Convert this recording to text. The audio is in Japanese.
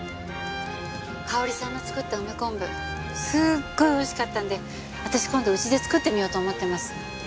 香織さんの作った梅昆布すごい美味しかったんで私今度うちで作ってみようと思ってます。